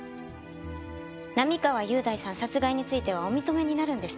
並河優大さん殺害についてはお認めになるんですね？